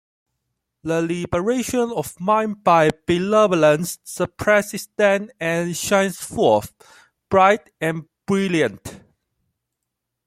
The liberation of mind by benevolence surpasses them and shines forth, bright and brilliant.